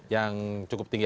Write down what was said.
yang cukup tinggi